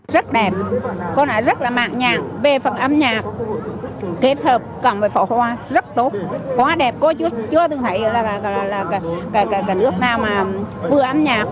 rất đẹp cô nói rất là mạng nhạc về phần âm nhạc kết hợp cộng với pháo hoa rất tốt quá đẹp cô chưa từng thấy là cái nước nào mà vừa âm nhạc